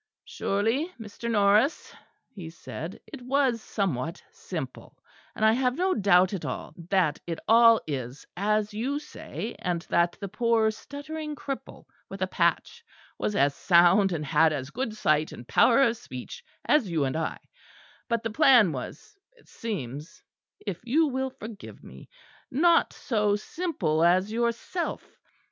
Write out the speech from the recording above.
"Surely, Mr. Norris," he said, "it was somewhat simple; and I have no doubt at all that it all is as you say; and that the poor stuttering cripple with a patch was as sound and had as good sight and power of speech as you and I; but the plan was, it seems, if you will forgive me, not so simple as yourself.